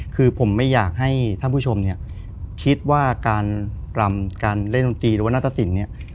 คือผมไม่อยากให้ท่านผู้ชมเนี่ยคิดว่าการรำการเล่นดนตรีหรือว่านาตสินเนี่ย